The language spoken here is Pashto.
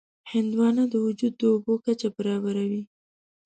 هندوانه د وجود د اوبو کچه برابروي.